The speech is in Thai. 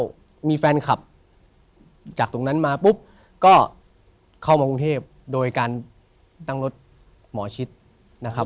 แล้วมีแฟนคลับจากตรงนั้นมาปุ๊บก็เข้ามากรุงเทพโดยการตั้งรถหมอชิดนะครับ